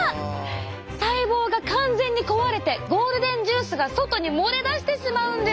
細胞が完全に壊れてゴールデンジュースが外に漏れ出してしまうんです。